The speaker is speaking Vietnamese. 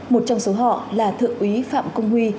một trong số họ là thượng úy phạm công huy